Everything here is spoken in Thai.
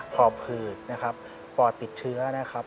หอบหืดนะครับปอดติดเชื้อนะครับ